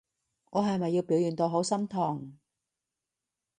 我係咪要表現到好心痛？